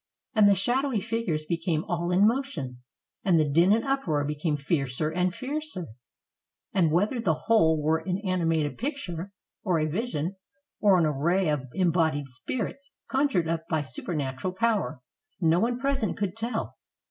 And the shadowy figures became all in motion, and the din and uproar became fiercer and fiercer; and whether the whole were an ani mated picture, or a vision, or an array of embodied spir its, conjured up by supernatural power, no one present could tell.